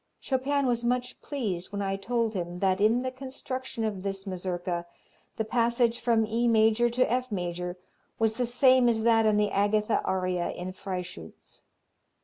Chopin was much pleased when I told him that in the construction of this Mazurka the passage from E major to F major was the same as that in the Agatha aria in 'Freischutz.'"